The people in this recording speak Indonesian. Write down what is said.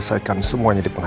buat keb drawing